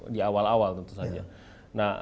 di awal awal tentu saja nah